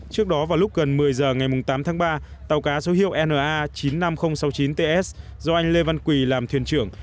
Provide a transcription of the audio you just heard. trước đó vào lúc gần một mươi h ngày tám tháng ba tàu cá số hiệu na chín mươi năm nghìn sáu mươi chín ts do anh lê văn quỳ làm thuyền trưởng